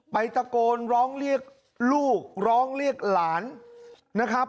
ตะโกนร้องเรียกลูกร้องเรียกหลานนะครับ